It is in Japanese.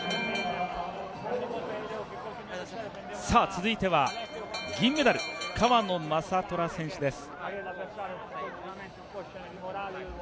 続いては銀メダル川野将虎選手です。